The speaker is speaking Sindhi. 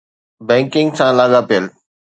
بئنڪنگ سان لاڳاپيل.